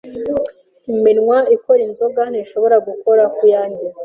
Iminwa ikora inzoga ntishobora gukora kuyanjye.